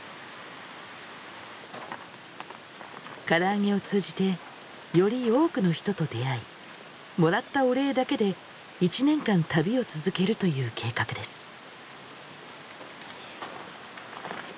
からあげを通じてより多くの人と出会いもらったお礼だけで一年間旅を続けるという計画です。